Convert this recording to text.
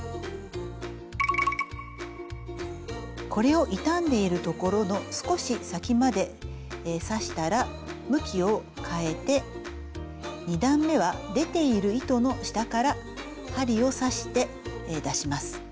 これを傷んでいる所の少し先まで刺したら向きをかえて２段めは出ている糸の下から針を刺して出します。